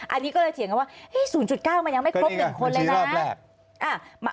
อันนี้ก็เลยเถียงกันว่า๐๙มันยังไม่ครบ๑คนเลยนะ